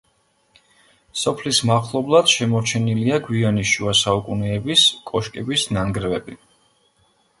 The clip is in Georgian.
სოფლის მახლობლად შემორჩენილია გვიანი შუა საუკუნეების კოშკების ნანგრევები.